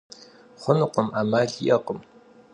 Xhunukhım, 'emal yi'ekhım.